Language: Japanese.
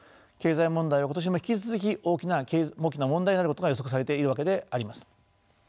経済問題は今年も引き続き大きな問題になることが予測されているわけであります。